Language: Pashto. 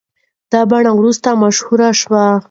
دا بڼه وروسته مشهوره شوه.